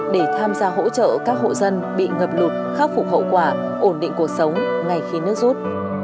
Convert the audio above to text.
để tham gia hỗ trợ các hộ dân bị ngập lụt khắc phục hậu quả ổn định cuộc sống ngay khi nước rút